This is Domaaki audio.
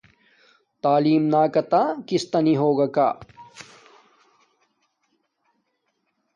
تعیلم نکاتہ کستہ نی ہوگاکا۔